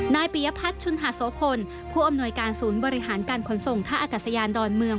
ปียพัฒน์ชุนหาโสพลผู้อำนวยการศูนย์บริหารการขนส่งท่าอากาศยานดอนเมือง